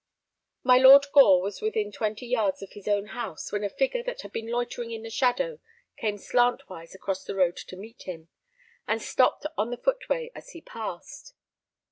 My Lord Gore was within twenty yards of his own house when a figure that had been loitering in the shadow came slantwise across the road to meet him, and stopped on the footway as he passed.